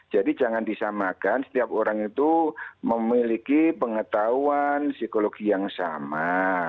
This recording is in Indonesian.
jadi jangan disamakan setiap orang itu memiliki pengetahuan psikologi yang sama